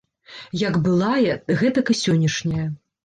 Як былая, гэтак і сённяшняя.